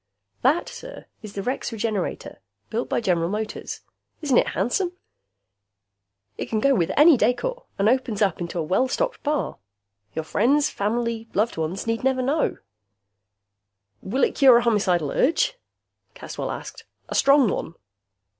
"That, sir, is the Rex Regenerator, built by General Motors. Isn't it handsome? It can go with any decor and opens up into a well stocked bar. Your friends, family, loved ones need never know " "Will it cure a homicidal urge?" Caswell asked. "A strong one?"